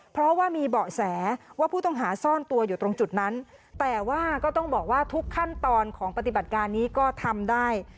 เพราะว่ามีเบาะแสว่าผู้ต้องหาซ่อนตัวอยู่ตรงจุดนั้นแต่ว่าก็ต้องบอกว่าทุกขั้นตอนของปฏิบัติการนี้ก็ทำได้